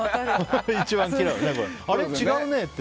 あれ、違うねって。